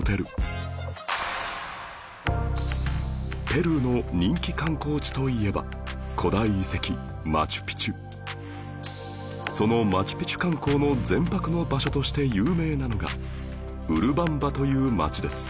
ペルーの人気観光地といえばそのマチュピチュ観光の前泊の場所として有名なのがウルバンバという町です